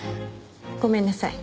ごめんなさい。